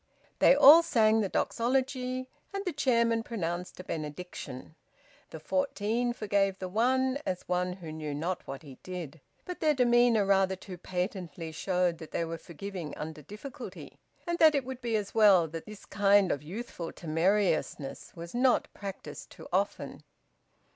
They all sang the Doxology, and the Chairman pronounced a benediction. The fourteen forgave the one, as one who knew not what he did; but their demeanour rather too patently showed that they were forgiving under difficulty; and that it would be as well that this kind of youthful temerariousness was not practised too often.